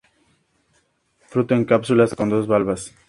Fruto en cápsula con dos valvas.